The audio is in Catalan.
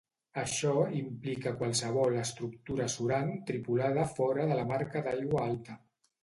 Això implica qualsevol estructura surant tripulada fora de la marca d'aigua alta.